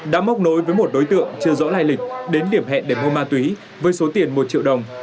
đã móc nối với một đối tượng chưa rõ lai lịch đến điểm hẹn để mua ma túy với số tiền một triệu đồng